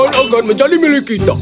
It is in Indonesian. yang akan menjadi milik kita